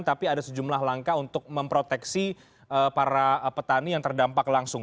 tapi ada sejumlah langkah untuk memproteksi para petani yang terdampak langsung